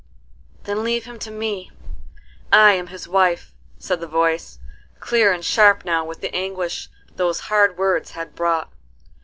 "Then leave him to me: I am his wife," said the voice, clear and sharp now with the anguish those hard words had brought.